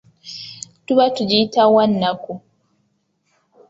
Tuba tugiyita wannaku.